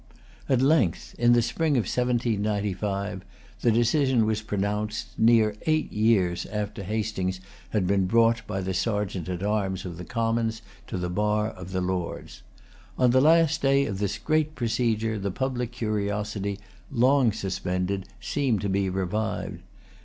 At length, in the spring of 1795, the decision was pronounced, near eight years after Hastings had been brought by the Sergeant at arms of the Commons to the bar of the Lords. On the last day of this great procedure the public curiosity, long suspended, seemed to be revived.